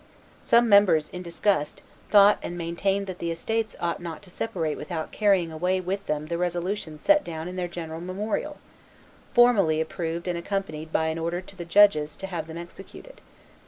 Some members, in disgust, thought and maintained that the estates ought not to separate without carrying away with them the resolutions set down in their general memorial, formally approved and accompanied by an order to the judges to have them executed.